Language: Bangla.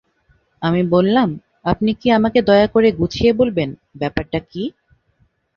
আমি বললাম, আপনি কি আমাকে দয়া করে গুছিয়ে বলবেন, ব্যাপারটা কী?